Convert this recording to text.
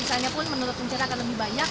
misalnya pun menurut pencerahan lebih banyak